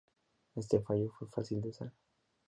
Este fallo fue fácil de usar.